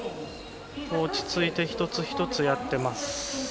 落ち着いて、一つ一つやっています。